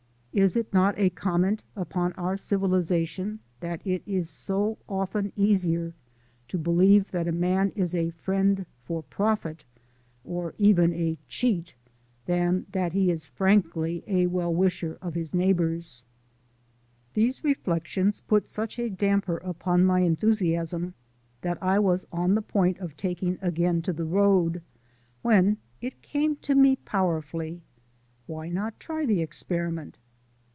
Is it not a comment upon our civilization that it is so often easier to believe that a man is a friend for profit, or even a cheat, than that he is frankly a well wisher of his neighbours? These reflections put such a damper upon my enthusiasm that I was on the point of taking again to the road, when it came to me powerfully: Why not try the experiment?